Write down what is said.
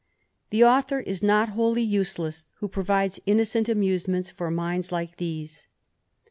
'^he author is not wholly useless, who provides innocent ^'^^Usements for .minds like these.